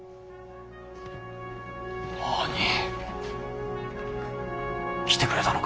あにぃ来てくれたのか！